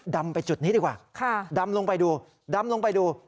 ดำไปจุดนี้ดีกว่าค่ะดำลงไปดู